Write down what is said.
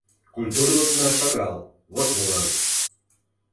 Культурлыкна шагал, вот молан!